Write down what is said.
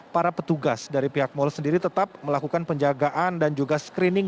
para petugas dari pihak mal sendiri tetap melakukan penjagaan dan juga screening